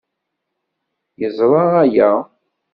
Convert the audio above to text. Yeẓra aya.